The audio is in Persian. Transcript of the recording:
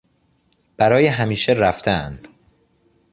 برای همیشه رفتهاند.